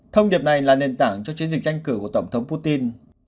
thông điệp này là nền tảng cho chiến dịch tranh cử của tổng thống putin